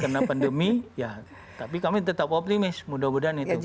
ya tapi kena pandemi ya tapi kami tetap optimis mudah mudahan itu